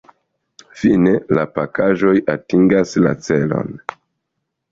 Fine la pakaĵoj atingas la celon.